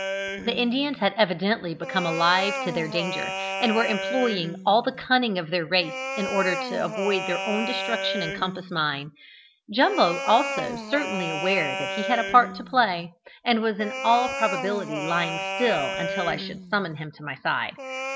The Indians had evidently become alive to their danger, and were employing all the cunning of their race in order to avoid their own destruction and compass mine. Jumbo also was certainly aware that he had a part to play, and was in all probability lying still until I should summon him to my side.